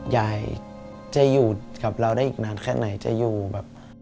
ยายจะอยู่กับเราได้อีกนานแค่ไหนจะอยู่แบบ